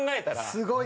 すごいね！